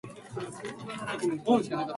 おっふオラドラえもん